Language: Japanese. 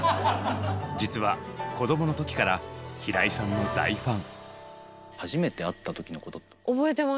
実は子供の時から平井さんの大ファン。